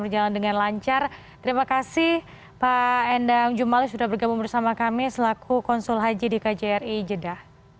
ini adalah dua belas tiga belas ada satu jombang yang terawal akan berhenti atau akan keluar dari eropa